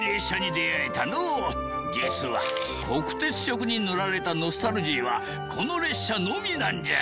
実は国鉄色に塗られたノスタルジーはこの列車のみなんじゃ。